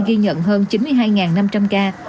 ghi nhận hơn chín mươi hai năm trăm linh ca